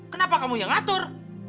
kenapa kamu yang ngatur